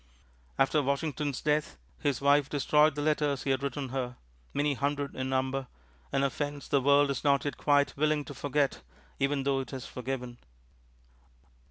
After Washington's death, his wife destroyed the letters he had written her many hundred in number an offense the world is not yet quite willing to forget, even though it has forgiven.